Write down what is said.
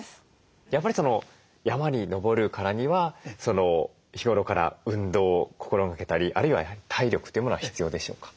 やっぱり山に登るからには日頃から運動を心がけたりあるいは体力というものは必要でしょうか？